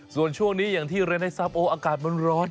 ส่วนช่วงนี้อย่างที่เรียนให้ทราบโอ้อากาศมันร้อน